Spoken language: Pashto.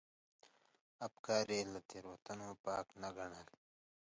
افکار یې له تېروتنو پاک نه ګڼل.